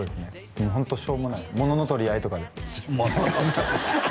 もうホントしょうもない物の取り合いとかで物の取り合い